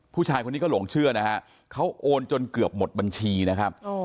ผู้ชายคนนี้ก็หลงเชื่อนะฮะเขาโอนจนเกือบหมดบัญชีนะครับ